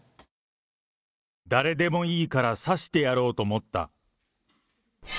誰でもいいから刺してやろうと思った。